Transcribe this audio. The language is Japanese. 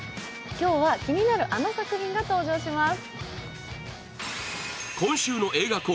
今日は気になるあの作品が登場します。